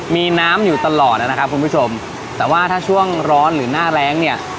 มีน้ำอยู่ตลอดนะครับคุณผู้ชมแต่ว่าถ้าช่วงร้อนหรือหน้าแรงเนี่ย